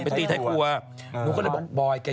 ไปตีไทยครัว